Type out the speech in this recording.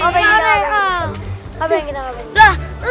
pak beng kita pak beng